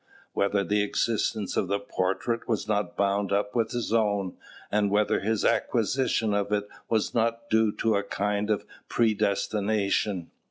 whether the existence of the portrait was not bound up with his own, and whether his acquisition of it was not due to a kind of predestination?